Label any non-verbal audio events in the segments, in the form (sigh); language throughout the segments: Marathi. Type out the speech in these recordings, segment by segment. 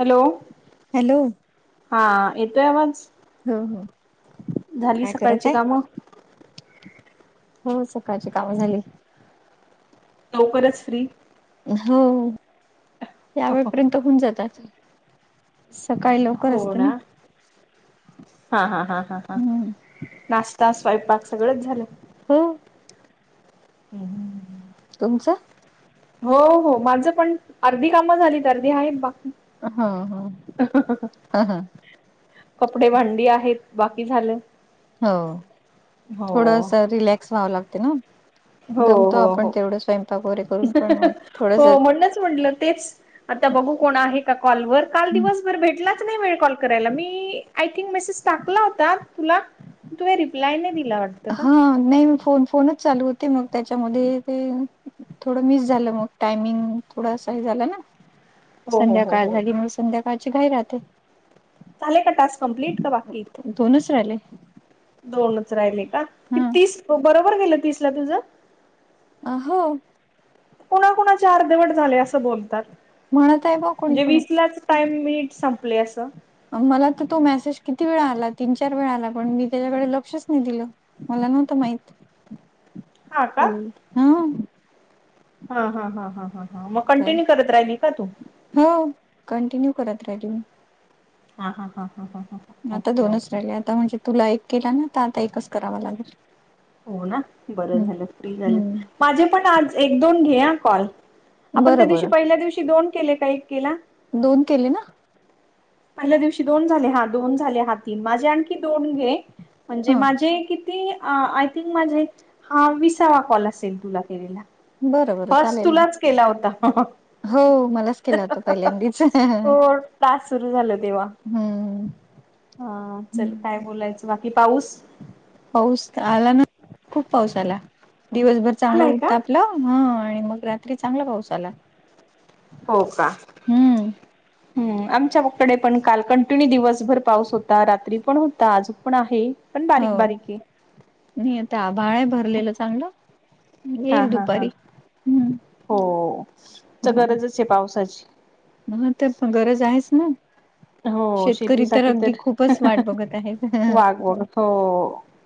हॅलो हॅलो हा येतोय मज हो हो झाली काय करत सकाळची आहे? कामं हो सकाळची कामं झाली. लवकरच फ्री हो यावेेळेपर्यंत होऊन जातात सकाळी लवकर हो असते ना हा हा हा हा हा. हम्म नाश्ता स्वयंपाक सगळच झालं. हम हम् तुमचं हो हो माझं पण अर्धी कामं झालीत अर्धी आहे. हा हा हा हा. कपडे भांडी आहेत बाकी झाले. हो थोडस रिलॅक्स व्हावं लागते ना. हो दमतो हो आपण हो तेवढं स्वयंपाक वगैरे करून पण मग थोडस हो म्हणणच म्हटलं तेच. आता बघू कोण आहे का कॉल वर काल दिवस... भेटलाच नाही वेळ कॉल कराला मी आ थिंग मेसेज टाकला होता तुला..... तुम्ही रिप्लाय नाही दिला वाट... हा नाही म फोन फोनच चालू होते मग त्याच्यामध्ये ते..... थोडं मिस झालं मग टायमिंग थोडं असं झालं ना... हो हो हो संध्याकाळ हो झाली मग संध्याकाळची घाई राहते... झाले का टास्क कंप्लीट का बाकीत आहेत... दोनच राहिले... दोनच राहिले का कि हा तीस बरोबर गेलं तीस ला तुझ..... आहो.... कुणा कुणाचे अर्धवट झाले असं बोलतात म्हणत आहे बा कोणी म्हणजे कोणी वीसलाच...... टाइम मिनि संपले असं..... मला तर तो मेसेज किती वेळा आला तीन चार वेळा आला पण मी त्याच्याकडे लक्षच नाही दिलं..... मला नव्हत माहित हा का हा....... हा हा ह ह ह ह मग तर कंटिन्यू करत राहिली का तू.... हो कंटिन्यू करत राहिेले मी....... हा हा हा हा....... आता ओके दोनच ओके राहिले आता म्हणजे तुला एक केला ना आ आता एकच....... करावा लागेल हो ना बरं हम्म झालं फ्री झालं..... हम्म माझे पण आज एक दोन घे या कॉल आपण त्या बरं दिवशी बरं पहिल्या दिवशी दोन केले का एक केला.... दोन केले ना....... पहिल्या दिवशी दोन झाले हा दोन झाले हा तीन माझे आणखी दोन घे म्हणजे ह माझे की...... ते आय थिंक माझे हा विसावा कॉल असेल तुला केलेला...... बरं बरं फर्स चालेल ना तुलाच केला होता हा........ हो मलाच केला होत पहिल्यांदाच........ टास्क सुरू झाल तेव्हा....... हम्म.... हा चल काय बोलायचं बाकी पाऊस..... पाऊस आला ना खूप पाऊस आला दिवसभर चांगला आलाय का हुत आपलं.... हा आणि मग रात्री चांगला पाऊस आला.... हो का. हम्. (unintelligible) हम्म आमच्याकडे पण काल कंटिन्यू दिवसभर पाऊस होता रात्री पण होता आजून पण आहे.... पण बारीक हो बारीक आहे. नाही आता आभाळ आहे भरलेलं चांगलं.... हा येईल हा हा दुपारी हम्म हो तर हो गरजच आहे पावसाची.... ह ते गरज आहेच ना..... हो शेतकरी तर शेतीसाठी अगदी खूपच वाट बघत आहेत... वाघ बघ हो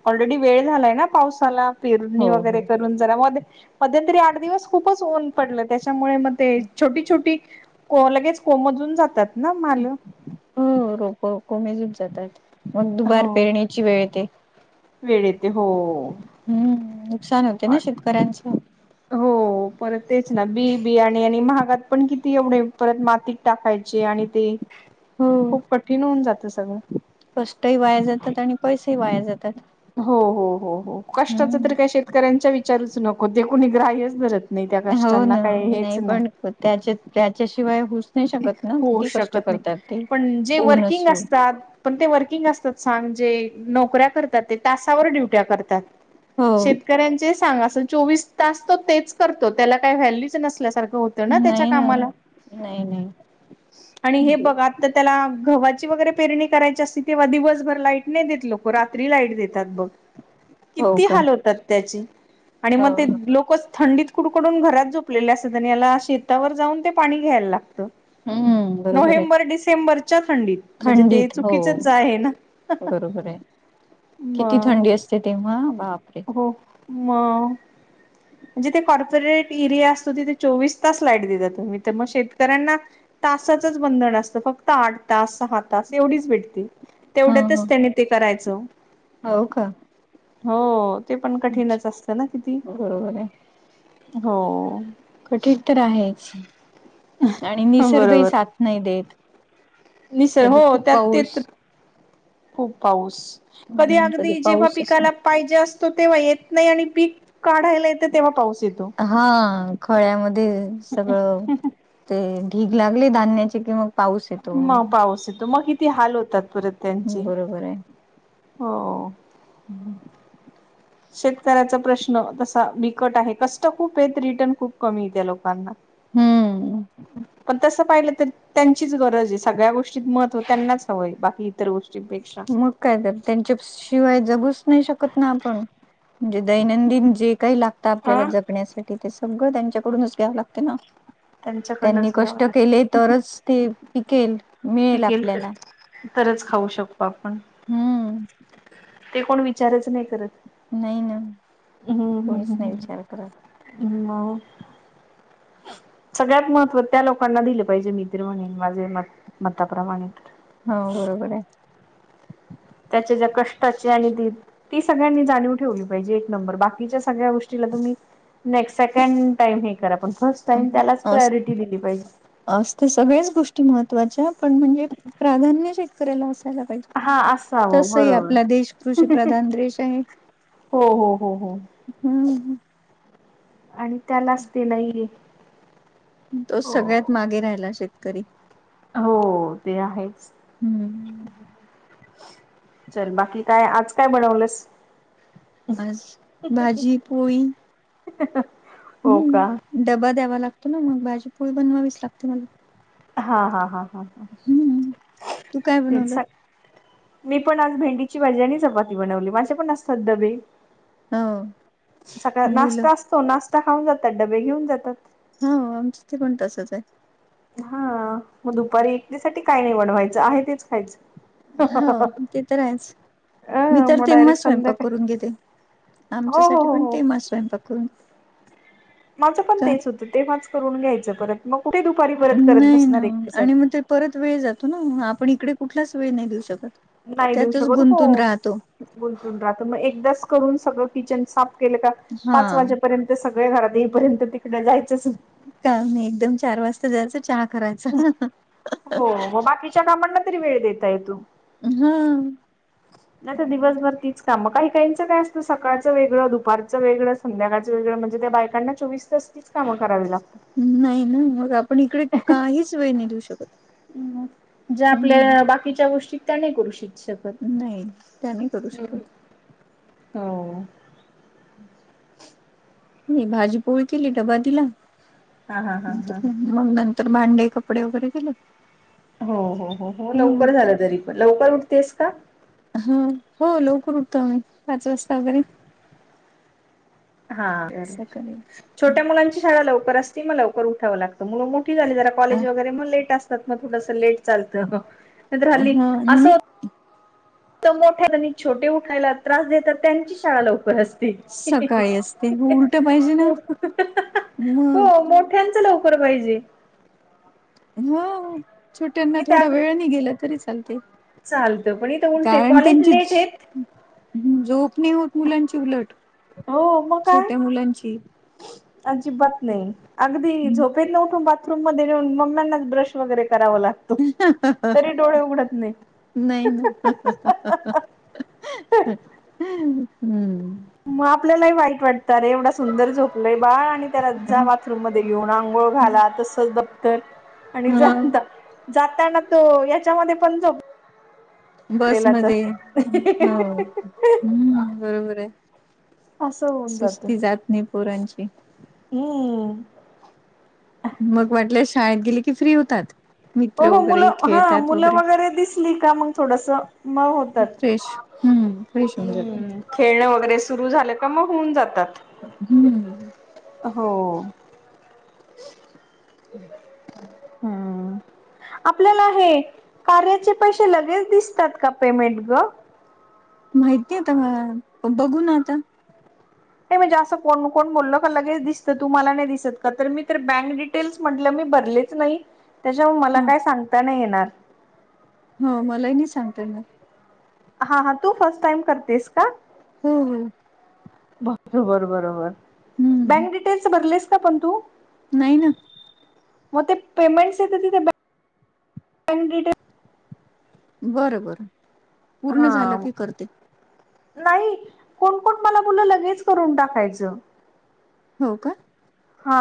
ऑलरेडी वेळ झालाय ना पावसाला पेरणी हो वगैरे हो करून.... मध्यंतरी आठ दिवस खूपच ऊन पडलं त्याच्यामुळे मग ते छोटी छोटी.... को लगेच कोमधून जातात ना माल... हो रोप कोमेजून जातात मग दुबार हो पेरण्याची वेळेत.... वेळ येते हो... हम्म नुकसान होते ना शेतकऱ्यांचं..... हो परत तेच ना बी बिया आणि महागात पण किती एवढे परत मातीत टाकायचे आणि ते... हो खूप कठीण होऊन जातं सगळं... कष्ट ही वाया जातात आणि पैसे ही वाया जातात.... हो हो हो हो कष्टाच तर काही हम्म शेतकऱ्यांच्या विचारच नको ते कुणी ग्राह्यच धरत.... नाही त्या हो कष्टांना ना काही हेच नाही.... पण त्याच्या त्याच्याशिवाय हु... नाही शकत ना, होऊ किती कष्ट शकत नाही. करतात ते पण जे ऊन वर्किंग असून. असतात पण ते वर्किंग असतात सांग जे नोकऱ्या करतात ते तासावर ड्युट्या करतात. हो शेतकऱ्यांचे सांग अस चोवीस तास तो तेच करतो त्याला काय व्हॅल्यूच नसल्यासारखं होत. नाही ना, नाही नाही. आणि हे म्हणजे बघ तर त्याला गव्हाची वगैरे पेरणी करायची असती. तेव्हा दिवसभर लाईट नाही देत. लोकं रात्री लाईट देतात. बघ (unintelligible) किती का हाल होतात त्याची आणि हो मग ते लोकच थंडीत कुडकडून घरात झोपलेले असत्यात आणि याला शेतावर जाऊन ते पाणी घ्यायला लागतं. हम्म नोव्हेंबर, डिसेंबरच्या थंडीत. म्हणजे ते थंडित हो चुकीचच आहे ना बरोबर हाय. म किती थंडी असते तेव्हा बापरे! मगं. जिथे कॉर्पोरेट एरिया असतो. तिथे चोवीस तास लाईट देतात. तुम्ही तर मग शेतकऱ्यांना तासाचच बंधन असतं फक्त आठ तास, सहा तास एवढीच भेटती तेवढ्यातच त्याने ते करायचं. हाव का! हो. ते पण अच्छा, कठीणच असतं. ना किती बरोबर हाय हो.. कठीण तर आहेच आणि निसर्गही बरोबर साथ नाही देत. निसर्ग कधी हो खूप त्यात पाऊस. ते खूप पाऊस कधी हम्म अगदी जेव्ह पाऊस असला पिकाला पाहिजे असतो तेव्हा येत नाही. आणि पीक काढायला येत तेव्हा पाऊस येतो. हा खळ्यामध्ये सगळं ते ढीग लागली. धान्याचे कि मग पाऊस येतो मग पाऊस येतो. मग किती हाल होतात परत त्यांचे बरोबर हो. हम्म शेतकऱ्याचा प्रश्न तसा बिकट आहे कष्ट खूप हायत रिटर्न खूप कमी हाय त्या लोकांना. हम्म पण तसं पाहिलं तर त्यांचीच गरज हेय सगळ्या गोष्टीत मत हो त्यांनाच हवंय. बाकी इतर गोष्टी मग काय तर, त्यांच्या शिवाय जगूच नाही शकत. ना आपण म्हणजे. दैनंदिन जे काही लागत आपल्याला हा जपण्यासाठी ते सगळं. त्यांच्याकडूनच घ्यावं लागते. ना त्यांनी त्यांच्याकडनंच घ्यावं कष्ट लागेल केले तरच. ते पिकेल. मिळेल पिकेल आपल्याला तरच खाऊ शकतो. आपण हम्म ते कोण विचारच नाही करत. नाही ना, कोणीच नाही विचार करत. ह मगं सगळ्यात महत्त्व त्या लोकांना दिले पाहिजे. मी तर म्हणेन माझे मतं मताप्रमाणे. हा बरोबर हाय. त्याच्या ज्या कष्टाचे आणि ती सगळ्यांनी जाणीव ठेवली. पाहिजे. एक नंबर बाकीच्या सगळ्या गोष्टीला तुम्ही ने सेकंड टाईम हे करा पण फर्स्ट टाईम त्यालाच प्रायोरिटी दिली पाहिजे. अस ते सगळ्याच गोष्टी महत्त्वाच्या पण म्हणजे. प्राधान्य शेतकऱ्याला असायला पाहिजे. हा असावं तस ही आपला बरोबर देश कृषीप्रधान देश आहे. हो हो. हो. हो हम्म. आणि त्यालाच ते नाहीय तो सगळ्यात मागे राहिला शेतकरी. हो. ते आहे. हम्म. चल बाकी काय आज काय म्हणवलंस आज. भाजी पोळी. (unintelligible) हो, का? हम्म डबा द्यावा लागतो ना. मग भाजी- पोळी बनवावीच लागते, मला. हा, हा, हा, हा. हम्म तू काय बनवलं तेचसा मी पण आज, भेंडीची भाजी आणि चपाती बनवली. माझे पण असतात डबे. हो सकाळ मुलं नाश्टा असतो. नाश्ता खाऊन जातात. डबे घेऊन जातात. हो. आमच इथे पण तसंचय. हा, मग दुपारी एकटीसाठी, काय नाही बनवायचं. आहे तेच खायचं. हो. ते तर आहेच. मी अ तर, मग तेंव्हाच डायरेक्ट स्वयंपाक संध्याकाळी करून घेते. हो हो आमच्यासाठी हो पण हो तेंव्हाच स्वयंपाक करुन. माझं पण तेच होतं. तेंव्हाच करून घ्यायचं. परत मग कुठे? दुपारी परत करत नाही ना बसणार, आणि एकटीसाठी. मग ते परत वेळ जातो ना. आपण इकडे, कुठलाच वेळ नाही देऊ शकत. नाही देऊ त्यातच शकत हो गुंतून राहतो. गुंतून राहतो. मग एकदाच करून, सगळं किचन साफ केलं का. हा पाच वाजेपर्यंत ते सगळे घरात येईपर्यंत, तिकडं जायचंच नाही. काम नाही. एकदम चार वाजता जायचं, चहा करायचा. (unintelligible) च्या कामांना तरी, वेळ देता येतो. हं. नाही तर, दिवसभर तीच कामं. काही काहीचं काय असतं, सकाळचं वेगळं, दुपारचं वेगळं. संध्याकाळच वेगळं. म्हणजे त्या बायकांना, चोवीस तास तिचं काम करावी लागतात. नाही न. मग आपण इकडे, काहीच वेळ नाही देऊ शकत. मग, ज्या हम्म आपल्या बाकीच्या गोष्टीत त्या, नाही करू शिक शक नाही. त्या नाही करू शकत. हो. मी भाजी- पोळी केली. डबा दिला. हा हा हा आता हा (unintelligible) मग नंतर भांडे, कपडे वगैरे केलं. हो, हो, हो, हो. लवकर झालं तरी पण. लवकर उठतेस का? ह. हो. लवकर उठतो आम्ही. पाच वाजता वैगेरे. हा, सकाळी छोट्या मुलांची शाळा लवकर असती. मग लवकर उठावं लागतं. मुलं मोठी झाली जरा अ कॉलेज वैगेरे मग लेट असतात. थोडंसं लेट चालत. नाहीतर हल्ली, हा अस नाही होत मोठ्या (unintelligible) आणि छोटे उठायला त्रास देतात. त्यांची शाळा लवकर असते. सकाळी असते. हो, उलट पाहिजे ना. हो मग. मोठ्यांचं लवकर पाहिजे. हो. छोट्यांना इथे थोडा अग वेळनी गेलं तरी चालते. चालतं. पण इथं उलटय. कॉलेज लेटयत ह, झोप नाही होत, मुलांची उलट. हो, मग काय. छोट्या मुलांची अजिबात नाही. अगदी हम्म. झोप पेतन उठून बाथरूम मध्येे नेऊन, मम्म्यांना ब्रश वगैरे कराव लागतय. (unintelligible) नाही न. (unintelligible) (unintelligible) हम्म. मग, आपल्यालाही वाईट वाट तर एवढा सुंदर झोपलंय बाळ. आणि त्याला जा, बाथरूम मध्ये घेऊन, आंघोळ घाला. तसच दप्तर आणि हा जाता - जाताना तो, याच्यामध्ये पण झोप बसमध्ये. हो. हम्, बरोबरय. असं होऊन सुस्ती जात नाही पोरांची. हम्म. मग वाटलं, शाळेत गेली की, फ्री होतात. हो, मित्र हो. वगैरे मुलं, हा खेळतात मुलं वगैरे दिसली का, मग थोडस म होतात. फ्रेश हम्म. फ्रेश होऊन जात हम्म. खेळणं वगैरे सुरु झालं का, मग होऊन जातात. हम्म. हो. ह. हम्म (unintelligible) आपल्याला हे कार्याचे पैसे लगेच दिसतात का पेमेंट ग? माहिती आता पण बघू ना आता. नाही म्हणजे असं कोण-कोण बोललं का लगेच दिसतं, तुम्हांला नाही दिसत का? तर मी तर बँक तेच म्हटलं मी भरलेच नाही, त्याच्या (unintelligible) मला ह काय सांगता नाही येणार. हो मलाही नाय सांगता येणार. हा, हा तू फर्स्ट टाइम करतेस का? हम्म हम्. बरोबर, बरोबर हम्म बँक डिटेल्स भरलेस का पण तू? नाही ना. म ते पेमेंटच्या इथ तिथे बँक डिटेल्स बर - बरं. पूर्ण हा. झालं की करते नाही, कोण-कोण मला बोललं लगेच करून टाकायचं. हो का. हा.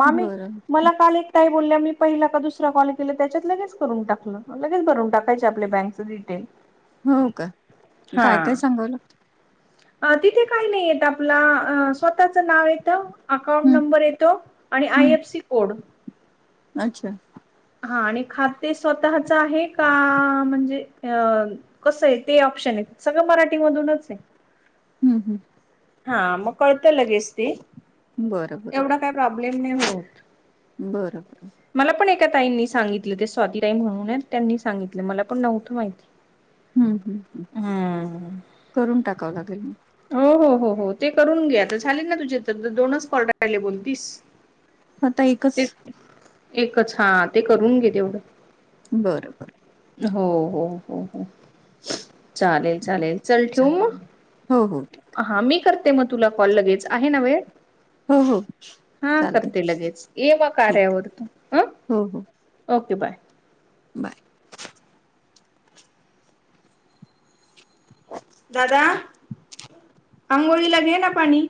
मामी बरं मला काल एक. काय बोलल्या मी पहिला का दुसरा कॉल केला त्याच्यात लगेच करून टाकलं. मग लगेच भरून टाकायचे आपल्या बँकचं डिटेल हो का, काय हा काय सांगवलं. तिथे काय नाही येत आपला स्वतःच नाव येतं. अकॉउंट हम्म नंबर येतो आणि आय एफ हम्म सी कोड. अच्छा. हा आणि खाते स्वतःच आहे का? म्हणजे कसं हे ते ऑप्शन आहे सगळं मराठी मधूनच हे. हम् हम. हा, मग कळतं लगेच ते बर. एवढा काय प्रॉब्लेम नाही होत. बर - बरं. मला पण एका ताईंनी सांगितलं ते स्वाती ताई म्हणून हे त्यांनी सांगितलं मला पण नव्हतं माहित. हम्म हम्म हम्म, करून टाकावं लागेल मग हो-हो-हो-हो, ते करून घ्या आता झाले ना तुझे तर दोनच कॉल राहिले ना बोलतीस. आता एकस. ते एकच हा ते करून घे तेवढं. बर-बरं. हो-हो-हो-हो, चालेल - चालेल चल ठेऊ मग हो-हो. हा मी करते मग तुला कॉल लगेच, आहे ना वेळ? हो हो हा चालते करते लगेच ये मग ठीक कार्यावर तु हं. हो हो ओके बाय. बाय. दादा! आंघोळीला घे ना पाणी.